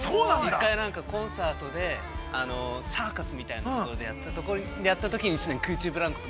◆一回、コンサートで、サーカスみたいなところでやったときに知念、空中ブランコを。